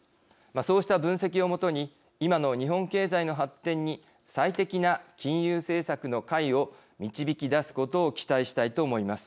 そうした分析を基に今の日本経済の発展に最適な金融政策の解を導き出すことを期待したいと思います。